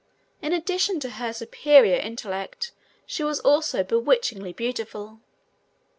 In addition to her superior intellect she was also bewitchingly beautiful.